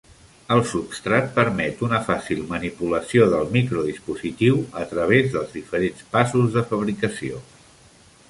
El substrat permet una fàcil manipulació del microdispositiu a través dels diferents passos de fabricació.